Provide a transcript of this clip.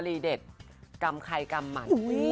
ประเด็นกรรมใครกรรมมัน